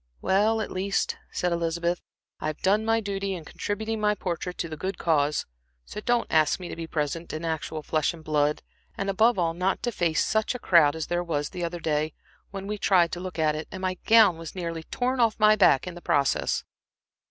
"Well, at least," said Elizabeth, "I have done my duty in contributing my portrait to the good cause; so don't ask me to be present in actual flesh and blood, and above all not to face such a crowd as there was the other day, when we tried to look at it and my gown was nearly torn off my back in the process."